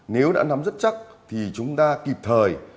nếu đã nắm rất chắc thì chúng ta kịp thời